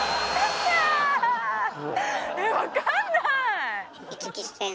え分かんない！